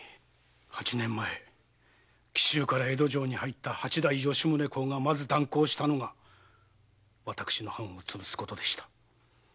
八年前紀州から江戸城に入った八代・吉宗公がまず断行したのが私の藩を潰すことでした。